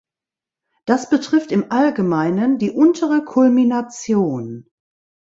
Das betrifft im Allgemeinen die untere Kulmination.